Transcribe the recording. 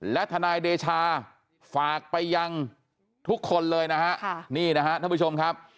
และทนายเดชาฝากไปยังทุกคนเลยนะฮะนี่นะฮะท่านผู้ชมครับ